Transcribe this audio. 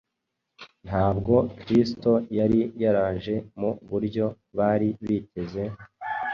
Ntabwo Kristo yari yaraje mu buryo bari biteze,